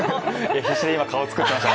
必死に今顔作ってました。